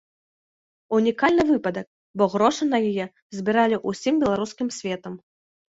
Унікальны выпадак, бо грошы на яе збіралі ўсім беларускім светам.